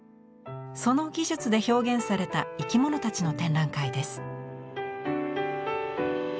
その技術で表現された生き物たちの展覧会です。